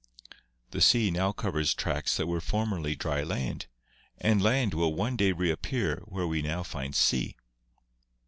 "The sea now covers tracts that were formerly dry land, and land will one day reappear where we now find sea.